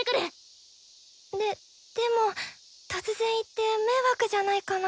ででも突然行って迷惑じゃないかな？